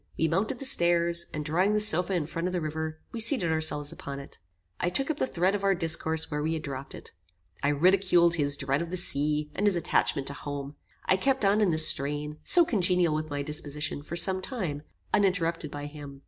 We mounted the stairs, and drawing the sofa in front of the river, we seated ourselves upon it. I took up the thread of our discourse where we had dropped it. I ridiculed his dread of the sea, and his attachment to home. I kept on in this strain, so congenial with my disposition, for some time, uninterrupted by him.